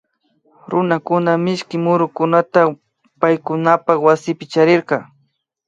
Runakunaka mishki murukunata paykunapak waspi charirka